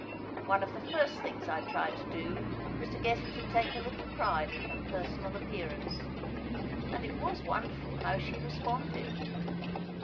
One of the first things I tried to do was to get her to take a little pride in her personal appearance. And it was wonderful how she responded.